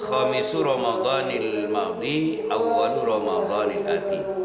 khamisu ramadanil mawdi awalu ramadanil ati